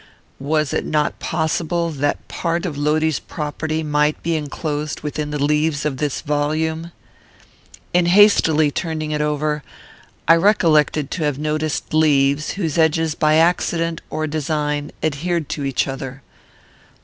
Was it not possible that part of Lodi's property might be enclosed within the leaves of this volume? In hastily turning it over, I recollected to have noticed leaves whose edges by accident or design adhered to each other.